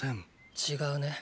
違うね。